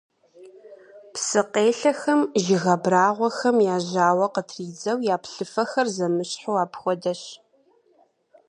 Псыкъелъэхэм жыг абрагъуэхэм я жьауэ къытридзэу, я плъыфэхэр зэмыщхьу апхуэдэщ.